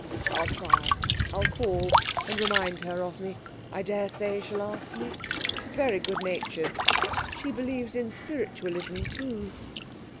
'I'll try. I'll call, and remind her of me. I daresay she'll ask me. She's very good natured. She believes in spiritualism, too.'